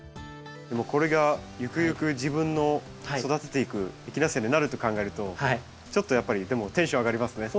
これがゆくゆく自分の育てていくエキナセアになると考えるとちょっとやっぱりでもテンション上がりますね。